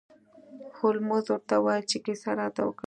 هولمز ورته وویل چې کیسه راته وکړه.